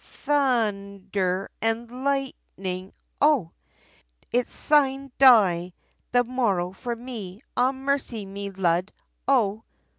thun un der an' light ning Oh!! It's a sine die, the morrow for me, Ah! mercy me Lud, Oh!